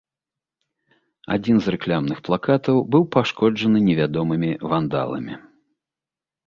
Адзін з рэкламных плакатаў быў пашкоджаны невядомымі вандаламі.